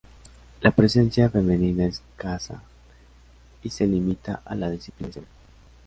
La presencia femenina es escasa y se limita a la disciplina de seven.